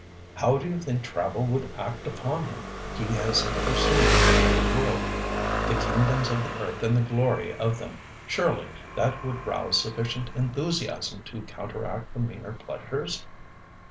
"How do you think travel would act upon him? He has never seen the Old World, 'the kingdoms of the earth and the glory of them.' Surely that would rouse sufficient enthusiasm to counteract the meaner pleasures?"